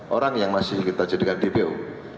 orang yang masih kita jadikan dpo